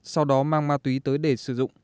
sau đó mang ma túy tới để sử dụng